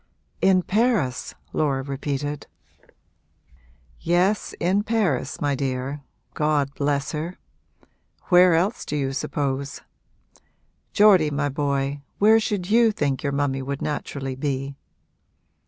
'In Paris?' Laura repeated. 'Yes, in Paris, my dear God bless her! Where else do you suppose? Geordie my boy, where should you think your mummy would naturally be?'